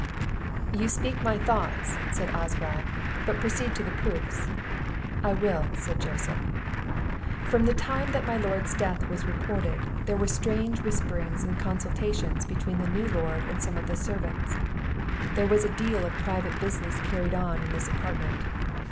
"You speak my thoughts," said Oswald; "but proceed to the proofs." "I will," said Joseph. "From the time that my lord's death was reported, there were strange whisperings and consultations between the new lord and some of the servants; there was a deal of private business carried on in this apartment.